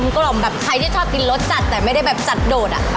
กล่อมแบบใครที่ชอบกินรสจัดแต่ไม่ได้แบบจัดโดดอะ